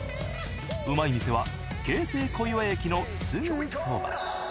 うまい店は京成小岩駅のすぐそば。